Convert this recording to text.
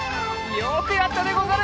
よくやったでござる！